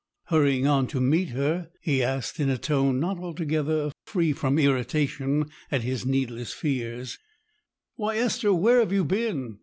Hurrying on to meet her, he asked in a tone not altogether free from irritation at his needless fears,— "Why, Esther, where have you been?